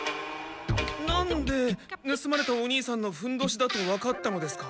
なんでぬすまれたお兄さんのふんどしだとわかったのですか？